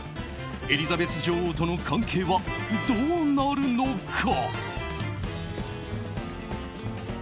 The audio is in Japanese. エリザベス女王との関係はどうなるのか。